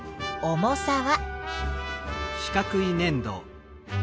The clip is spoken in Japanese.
重さは？